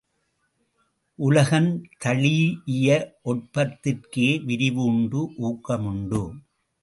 உலகந் தழீஇய ஒட்பத்திற்கே விரிவு உண்டு, ஊக்கம் உண்டு.